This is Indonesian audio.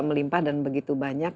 melimpah dan begitu banyak